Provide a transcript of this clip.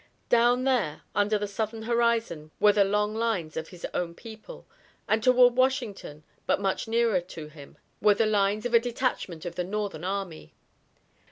Down there under the southern horizon were the long lines of his own people, and toward Washington, but much nearer to him, were the lines of a detachment of the Northern army.